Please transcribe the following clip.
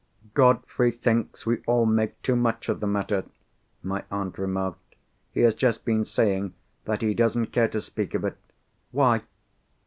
"Godfrey thinks we all make too much of the matter," my aunt remarked. "He has just been saying that he doesn't care to speak of it." "Why?"